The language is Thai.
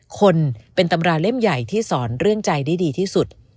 คนเป็นตำราเล่มใหญ่ที่สอนเรื่องใจได้ดีที่สุด